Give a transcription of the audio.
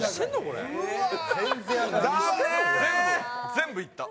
全部いった。